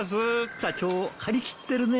課長張り切ってるね。